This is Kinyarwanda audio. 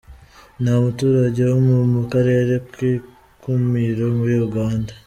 Ni umuturage wo mu mu karere Kikumiro muri Uganda.